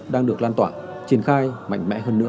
đang được lan tỏa triển khai mạnh mẽ hơn nữa